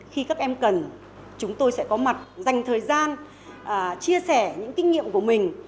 khi các em cần chúng tôi sẽ có mặt dành thời gian chia sẻ những kinh nghiệm của mình